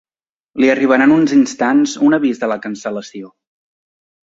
Li arribarà en uns instants un avís de la cancel·lació.